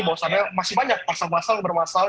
bahwasannya masih banyak pasal pasal yang bermasalah